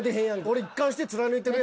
俺一貫して貫いてるやんけ。